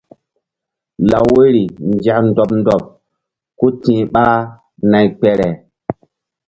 Law woyri nzek ndɔɓ ndɔɓ ku ti̧h ɓa nay kpere.